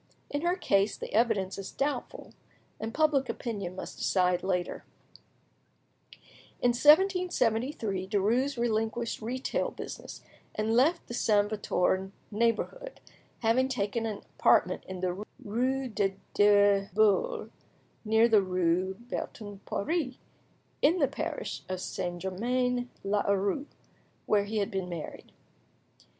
In her case the evidence is doubtful, and public opinion must decide later. In 1773, Derues relinquished retail business, and left the Saint Victor neighbourhood, having taken an apartment in the rue des Deux Boules, near the rue Bertin Poiree, in the parish of St. Germain l'Auxerrois, where he had been married.